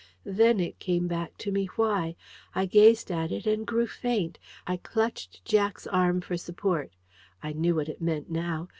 Then it came back to me, why... I gazed at it and grew faint. I clutched Jack's arm for support. I knew what it meant now.